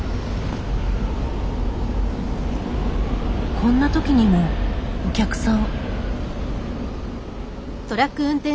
こんな時にもお客さん。